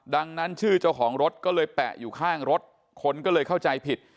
ดังนั้นชื่อเจ้าของรถก็เลยแปะอยู่ข้างรถคนก็เลยเข้าใจผิด